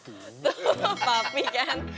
tuh papi kan